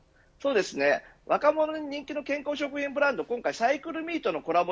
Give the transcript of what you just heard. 若者に人気の健康食品ブランドサイクルミーとのコラボ